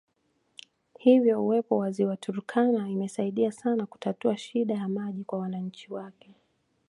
Hivyo uwepo wa Ziwa Turkana imesaidia sana kutatua shida ya maji kwa wananchi wake